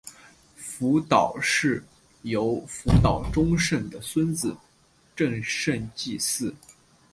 福岛氏由福岛忠胜的孙子正胜继嗣。